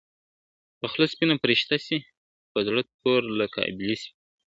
په خوله سپینه فرشته سي په زړه تور لکه ابلیس وي ,